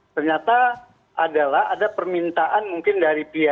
ternyata adalah ada permintaan mungkin dari pihak